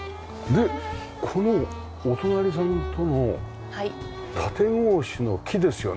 このお隣さんとの縦格子の木ですよね